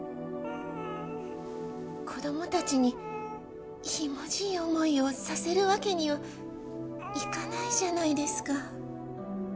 子どもたちにひもじい思いをさせる訳にはいかないじゃないですか。